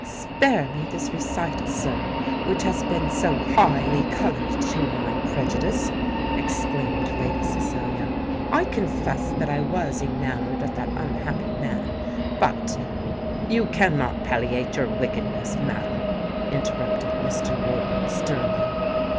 "Spare me this recital, sir, which has been so highly coloured to my prejudice," exclaimed Lady Cecilia. "I confess that I was enamoured of that unhappy man; but——" "You cannot palliate your wickedness, madam," interrupted Mr. Wharton, sternly.